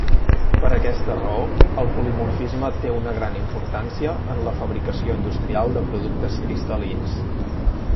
Per aquesta raó, el polimorfisme té una gran importància en la fabricació industrial de productes cristal·lins.